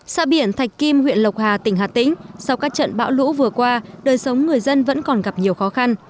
xã biển thạch kim huyện lộc hà tỉnh hà tĩnh sau các trận bão lũ vừa qua đời sống người dân vẫn còn gặp nhiều khó khăn